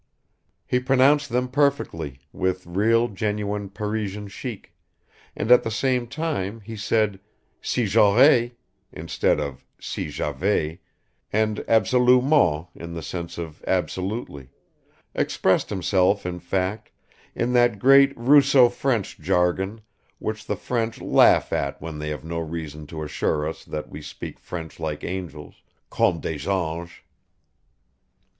He pronounced them perfectly with real genuine Parisian chic, and at the same time he said "si j'aurais" instead of "si j'avais," and "absolument" in the sense of "absolutely," expressed himself in fact in that great Russo French jargon which the French laugh at when they have no reason to assure us that we speak French like angels "comme des anges."